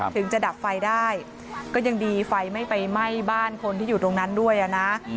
ถึงจะดับไฟได้ก็ยังดีไฟไม่ไปไหม้บ้านคนที่อยู่ตรงนั้นด้วยนะ